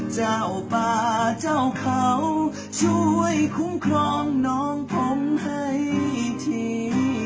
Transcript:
เจ้าป่าเจ้าเขาช่วยคุ้มครองน้องผมให้ที